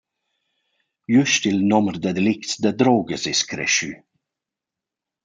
Güst il nomer da delicts da drogas es creschü.